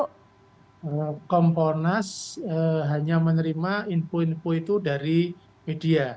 kalau kompolnas hanya menerima info info itu dari media